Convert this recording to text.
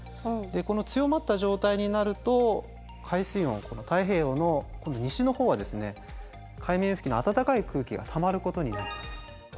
この強まった状態になると海水温太平洋の西の方は海面付近の暖かい空気がたまることになります。